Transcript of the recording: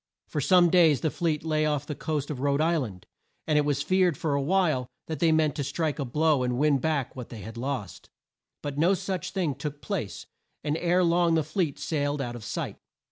For some days the fleet lay off the coast of Rhode Isl and, and it was feared for a while that they meant to strike a blow and win back what they had lost. But no such thing took place, and ere long the fleet sailed out of sight.